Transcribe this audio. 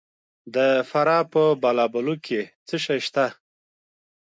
د فراه په بالابلوک کې څه شی شته؟